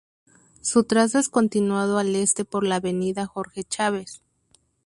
Su trazo es continuado al este por la avenida Jorge Chávez.